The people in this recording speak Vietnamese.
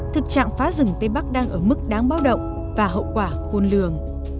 thực trạng phá rừng tây bắc đang ở mức đáng báo động và hậu quả khôn lường